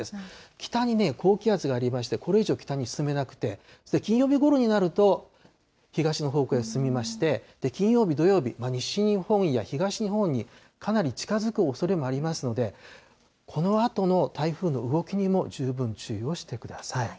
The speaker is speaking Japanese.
北に高気圧がありまして、これ以上、北に進めなくて、金曜日ごろになると、東の方向へ進みまして、金曜日、土曜日、西日本や東日本にかなり近づくおそれもありますので、このあとの台風の動きにも十分注意をしてください。